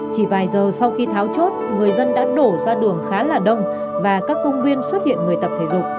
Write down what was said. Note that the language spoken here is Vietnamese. chỉ vài giờ sau khi tháo chốt người dân đã đổ ra đường khá là đông và các công viên xuất hiện người tập thể dục